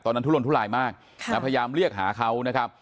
ทุลนทุลายมากพยายามเรียกหาเขานะครับ